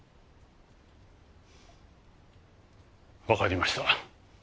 わかりました。